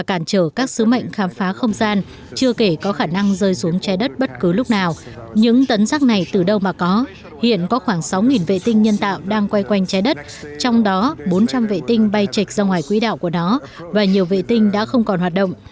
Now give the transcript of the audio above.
cản trở các sứ mệnh khám phá không gian chưa kể có khả năng rơi xuống trái đất bất cứ lúc nào những tấn rác này từ đâu mà có hiện có khoảng sáu vệ tinh nhân tạo đang quay quanh trái đất trong đó bốn trăm linh vệ tinh bay chệch ra ngoài quỹ đạo của nó và nhiều vệ tinh đã không còn hoạt động